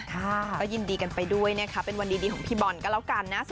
ก็ยินดีกันไปด้วยนะคะเป็นวันดีของพี่บอลก็แล้วกันนะ